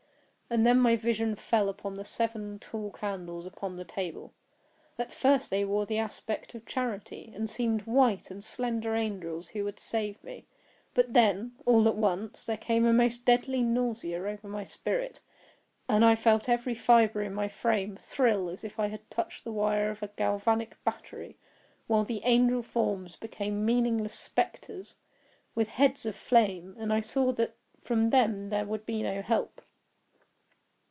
And then my vision fell upon the seven tall candles upon the table. At first they wore the aspect of charity, and seemed white and slender angels who would save me; but then, all at once, there came a most deadly nausea over my spirit, and I felt every fibre in my frame thrill as if I had touched the wire of a galvanic battery, while the angel forms became meaningless spectres, with heads of flame, and I saw that from them there would be no help.